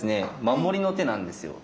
守りの手なんですよ。